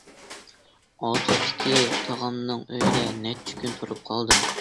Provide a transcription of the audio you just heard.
ئاتۇشتىكى تاغامنىڭ ئۆيىدە نەچچە كۈن تۇرۇپ قالدىم.